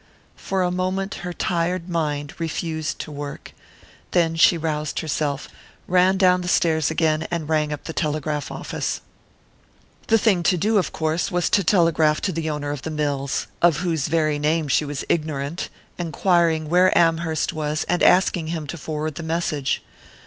For a moment her tired mind refused to work; then she roused herself, ran down the stairs again, and rang up the telegraph office. The thing to do, of course, was to telegraph to the owner of the mills of whose very name she was ignorant! enquiring where Amherst was, and asking him to forward the message.